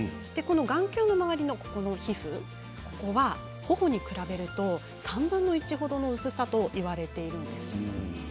眼球の周りの皮膚、ここは頬に比べると３分の１程の薄さといわれているんです。